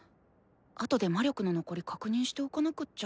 後で魔力の残り確認しておかなくっちゃ。